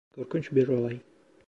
Korkunç bir olay.